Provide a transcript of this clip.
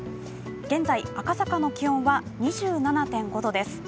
現在、赤坂の気温は２７．５度です。